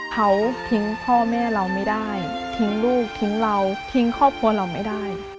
เขาทิ้งพ่อแม่เราไม่ได้ทิ้งลูกทิ้งเราทิ้งครอบครัวเราไม่ได้